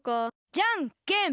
じゃんけん。